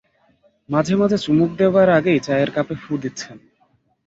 মাঝে-মাঝে চুমুক দেবার আগে চায়ের কাপে ফুঁ দিচ্ছেন।